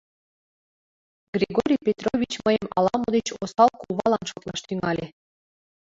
Григорий Петрович мыйым ала-мо деч осал кувалан шотлаш тӱҥалеш.